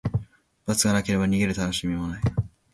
罰がなければ、逃げるたのしみもない。